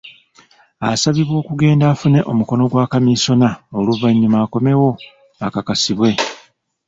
Asabibwa okugenda afune omukono gwa kamisona n'oluvannyuma akomewo akakasibwe.